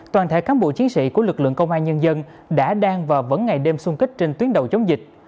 toàn thể cán bộ chiến sĩ của lực lượng công an nhân dân đã đang và vẫn ngày đêm xung kích trên tuyến đầu chống dịch